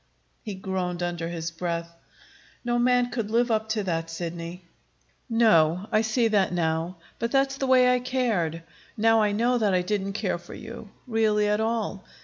He groaned under his breath. "No man could live up to that, Sidney." "No. I see that now. But that's the way I cared. Now I know that I didn't care for you, really, at all.